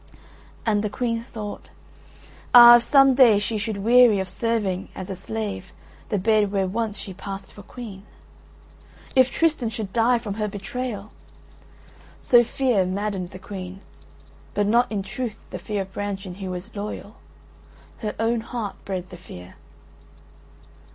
And the Queen thought Ah, if some day she should weary of serving as a slave the bed where once she passed for Queen … If Tristan should die from her betrayal! So fear maddened the Queen, but not in truth the fear of Brangien who was loyal; her own heart bred the fear.